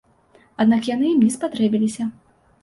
Аднак яны ім не спатрэбілася.